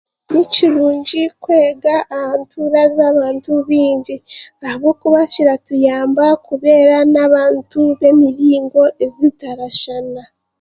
Ni kirungi kwega aha ntuura z'abantu baingi ahabwokuba kiratuyamba kubeera n'abantu b'emiringo ezi tarashushana